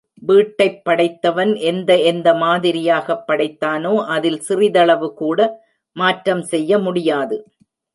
வீட்டைப் படைத்தவன் எந்த எந்த மாதிரியாகப் படைத்தானோ அதில் சிறிதளவுகூட மாற்றம் செய்ய முடியாது.